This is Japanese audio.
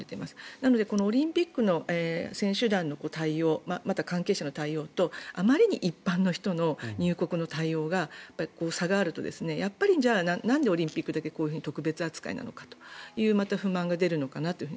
なのでオリンピックの選手団の対応また関係者の対応とあまりに一般の人の入国の対応が差があるとやっぱりなんでオリンピックだけこういう特別扱いなのかという不満が出るのかなと。